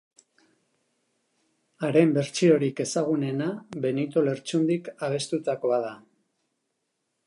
Haren bertsiorik ezagunena Benito Lertxundik abestutakoa da.